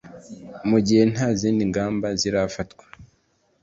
mu gihe nta zindi ngamba zirafatwa